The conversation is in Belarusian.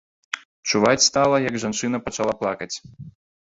Чуваць стала, як жанчына пачала плакаць.